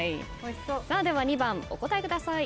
では２番お答えください。